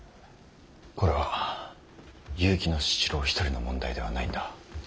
これは結城七郎一人の問題ではないんだ。